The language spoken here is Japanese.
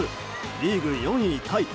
リーグ４位タイ。